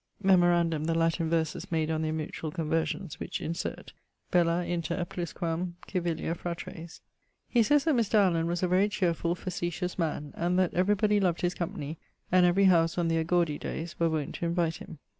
[IV.] Memorandum the Latin verses made on their mutual conversions which insert. Bella inter ... plusquam civilia fratres. He sayes that Mr. Allen was a very cheerfull, facetious man, and that every body loved his company, and every howse on their Gaudie dayes were wont to invite him.